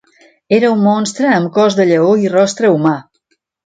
Era un monstre amb cos de lleó i rostre humà.